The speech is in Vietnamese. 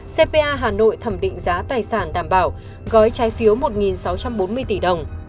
cpa hà nội thẩm định giá tài sản đảm bảo gói trái phiếu một sáu trăm bốn mươi tỷ đồng